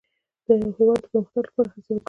د هېواد د پرمختګ لپاره هڅې وکړئ.